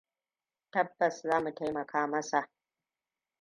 Tabbas za mu taimaka masa.